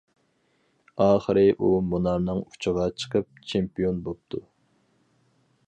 ئاخىرى ئۇ مۇنارنىڭ ئۇچىغا چىقىپ چېمپىيون بوپتۇ.